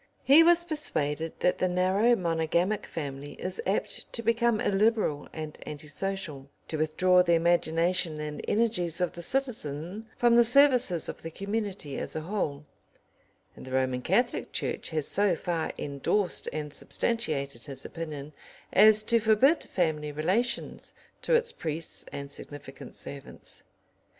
He was persuaded that the narrow monogamic family is apt to become illiberal and anti social, to withdraw the imagination and energies of the citizen from the services of the community as a whole, and the Roman Catholic Church has so far endorsed and substantiated his opinion as to forbid family relations to its priests and significant servants.